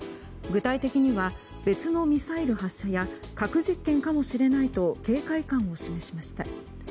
具体的には別のミサイル発射や核実験かもしれないと警戒感を示しました。